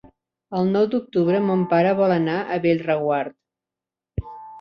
El nou d'octubre mon pare vol anar a Bellreguard.